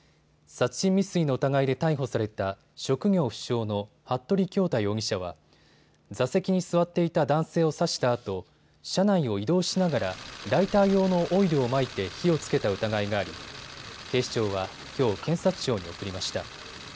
殺人未遂の疑いで逮捕された職業不詳の服部恭太容疑者は座席に座っていた男性を刺したあと車内を移動しながらライター用のオイルをまいて火をつけた疑いがあり警視庁はきょう検察庁に送りました。